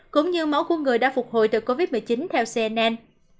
cũng như máu của người đã phục hồi từ covid một mươi chín theo cnn